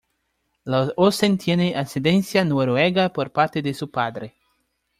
Los Olsen tienen ascendencia noruega por parte de su padre.